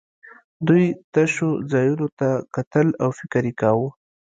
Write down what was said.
دوی تشو ځایونو ته کتل او فکر یې کاوه